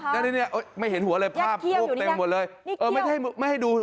ไหนนี่หรอคะยักษ์เขี้ยวอยู่นี่นี่เขี้ยว